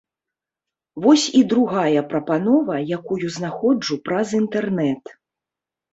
Вось і другая прапанова, якую знаходжу праз інтэрнэт.